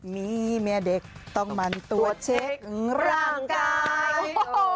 มีเมียเด็กต้องมันตัวเช็คร่างกาย